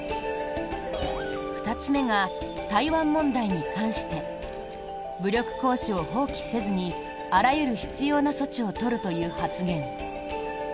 ２つ目が、台湾問題に関して武力行使を放棄せずにあらゆる必要な措置を取るという発言。